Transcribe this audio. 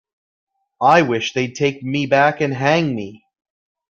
I wish they'd take me back and hang me.